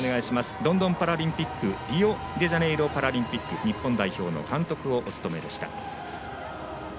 ロンドンパラリンピックリオデジャネイロパラリンピック日本代表の監督をお務めでした。